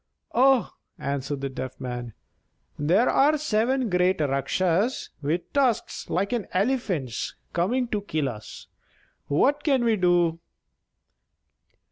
"Oh!" answered the Deaf Man, "there are seven great Rakshas with tusks like an elephant's coming to kill us! What can we do?"